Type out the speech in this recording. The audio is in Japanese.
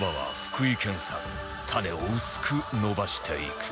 はい。